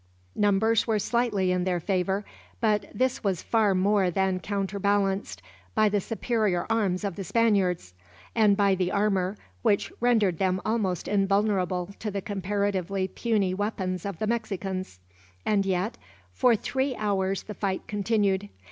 Numbers were slightly in their favor, but this was far more than counter balanced by the superior arms of the Spaniards; and by the armor, which rendered them almost invulnerable to the comparatively puny weapons of the Mexicans. And yet, for three hours the fight continued.